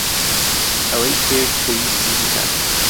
ئەوەی کرد کە ویستی بیکات.